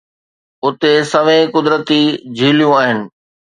اتي سوين قدرتي جھليون آھن